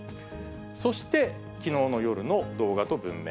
そして、きのうの夜の動画と文面。